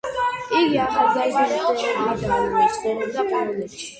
იგი ახალგაზრდობიდანვე ცხოვრობდა პოლონეთში.